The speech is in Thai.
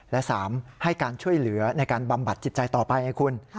และ๓ให้การช่วยเหลือในการบำบัดจิตใจต่อไปไงคุณ